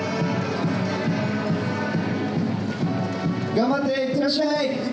頑張って行ってらっしゃい！